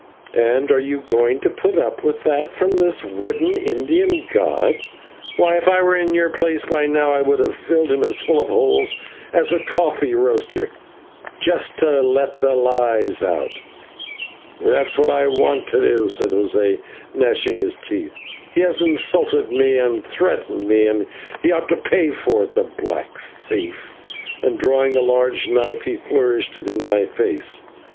"And are you going to put up with that from this wooden Indian god? Why, if I were in your place, by now I would have filled him as full of holes as a coffee roaster, just to let the lies out." "That's what I want to do," said José, gnashing his teeth, "he has insulted me and threatened me, and ought to pay for it, the black thief," and, drawing a large knife, he flourished it in my face.